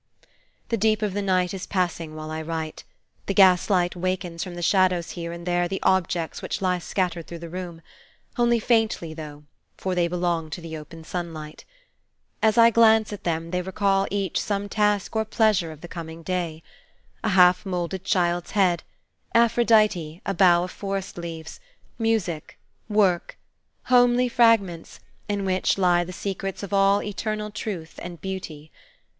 The deep of the night is passing while I write. The gas light wakens from the shadows here and there the objects which lie scattered through the room: only faintly, though; for they belong to the open sunlight. As I glance at them, they each recall some task or pleasure of the coming day. A half moulded child's head; Aphrodite; a bough of forest leaves; music; work; homely fragments, in which lie the secrets of all eternal truth and beauty.